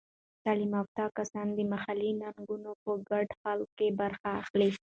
تعلیم یافته کسان د محلي ننګونو په ګډه حل کې برخه اخلي.